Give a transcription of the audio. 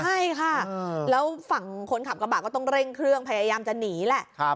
ใช่ค่ะแล้วฝั่งคนขับกระบะก็ต้องเร่งเครื่องพยายามจะหนีแหละ